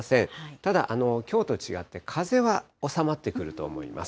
ただきょうと違って風は収まってくると思います。